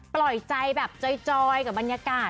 ปล่อยใจแบบจอยกับบรรยากาศ